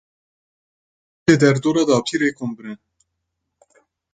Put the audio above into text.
Kî li derdora dapîrê kom bûne?